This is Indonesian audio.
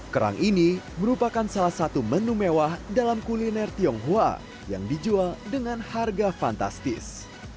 kerang ini merupakan salah satu menu mewah dalam kuliner tionghoa yang dijual dengan harga fantastis